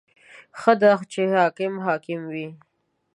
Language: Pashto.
• ښه ده چې حاکم حاکم وي.